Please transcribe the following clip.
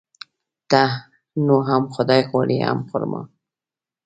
ته نو هم خداى غواړي ،هم خر ما.